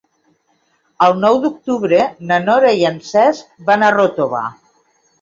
El nou d'octubre na Nora i en Cesc van a Ròtova.